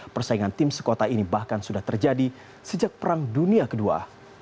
persaingan tim sekota ini bahkan sudah terjadi sejak perang dunia ii